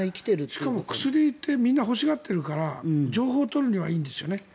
しかも薬ってみんな欲しがってるから情報を取るにはいいんですよね。